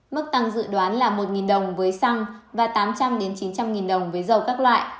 mức tăng dự đoán là một đồng với xăng và tám trăm linh chín trăm linh đồng với dầu các loại